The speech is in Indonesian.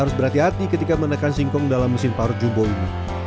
kedengaran saya juga seperti ketika menekan singkong dalam mesin parut jumbo ini